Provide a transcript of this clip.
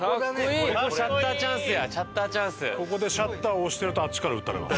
ここでシャッター押してるとあっちから撃たれます。